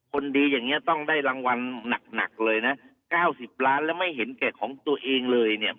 คนดีอย่างนี้ต้องได้รางวัลหนักเลยนะ๙๐ล้านแล้วไม่เห็นแก่ของตัวเองเลยเนี่ย